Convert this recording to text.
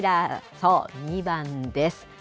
そう、２番です。